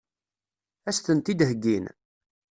Ad as-tent-id-heggin?